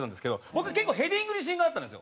僕結構ヘディングに自信があったんですよ。